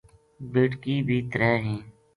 بیٹکی بھی ترے ہیں